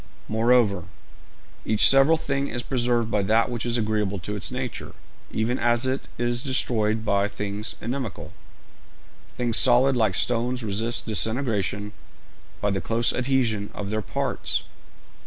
Moreover, each several thing is preserved by that which is agreeable to its nature, even as it is destroyed by things inimical. Things solid like stones resist disintegration by the close adhesion of their parts.